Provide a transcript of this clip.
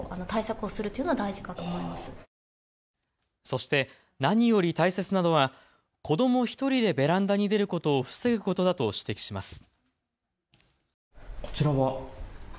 そして、何より大切なのは子ども１人でベランダに出ることを防ぐことだと指摘します。